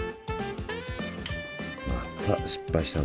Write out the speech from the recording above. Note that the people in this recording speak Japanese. また失敗したな。